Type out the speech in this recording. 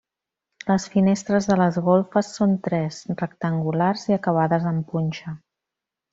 Les finestres de les golfes són tres, rectangulars i acabades en punxa.